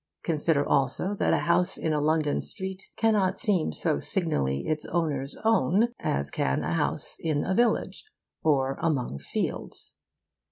Consider also that a house in a London street cannot seem so signally its owner's own as can a house in a village or among fields.